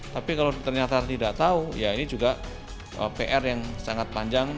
tapi kalau ternyata tidak tahu ya ini juga pr yang sangat panjang